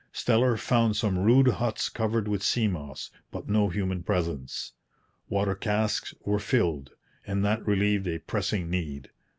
Steller found some rude huts covered with sea moss, but no human presence. Water casks were filled; and that relieved a pressing need.